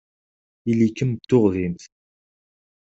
Ili-kem d tuɣdimt.